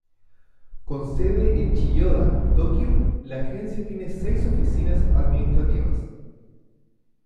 Con sede en Chiyoda, Tokio, la agencia tiene seis oficinas administrativas.